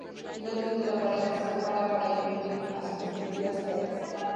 Finalmente la pareja se separa para ir a vivir a sus respectivas tierras.